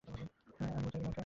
আনবু, ছাড়বি না ওকে।